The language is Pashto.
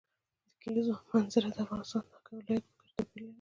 د کلیزو منظره د افغانستان د ولایاتو په کچه توپیر لري.